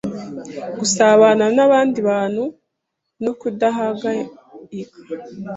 gusabana n’abandi bantu no kudahangayika,